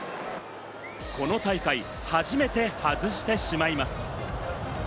この大会、初めて外してしまいます。